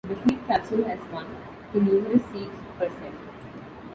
The seed capsule has one to numerous seeds per cell.